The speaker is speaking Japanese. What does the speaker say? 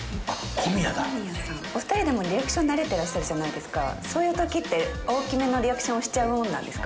小宮だお二人でもリアクション慣れてらっしゃるじゃないですかそういう時って大きめのリアクションをしちゃうもんなんですか？